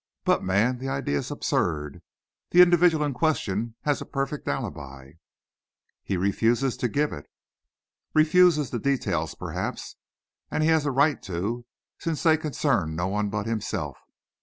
But, man, the idea is absurd. The individual in question has a perfect alibi." "He refuses to give it." "Refuses the details, perhaps. And he has a right to, since they concern no one but himself.